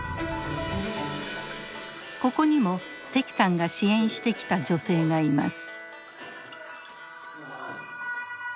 ここにも石さんが支援してきた女性がいます。